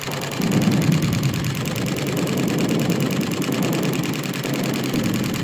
ازادي راډیو د اقلیتونه د راتلونکې په اړه وړاندوینې کړې.